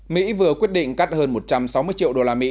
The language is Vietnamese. mỹ vừa quyết định cắt hơn một trăm sáu mươi triệu đô la mỹ